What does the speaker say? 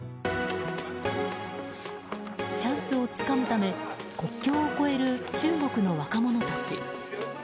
チャンスをつかむため国境を越える中国の若者たち。